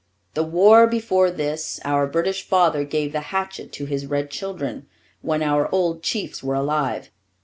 The war before this, our British father gave the hatchet to his red children, when our old chiefs were alive.